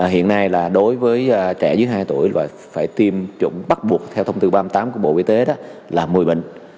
hiện nay là đối với trẻ dưới hai tuổi là phải tiêm chủng bắt buộc theo thông tư ba mươi tám của bộ y tế đó là một mươi bệnh